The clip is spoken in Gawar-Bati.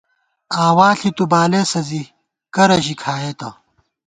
آوا ݪِی تُو بالېسہ، زی کرہ ژی کھایئېتہ